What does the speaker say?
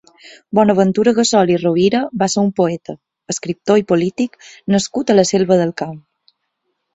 Bonaventura Gassol i Rovira va ser un poeta, escriptor i polític nascut a la Selva del Camp.